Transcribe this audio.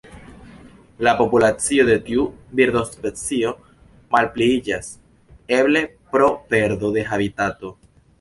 La populacio de tiu birdospecio malpliiĝas, eble pro perdo de habitato.